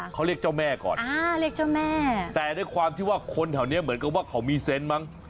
เขาเรียกเจ้าแม่ก่อนแต่ด้วยความที่ว่าคนแถวนี้เหมือนกับว่าเขามีเซนต์มั้ง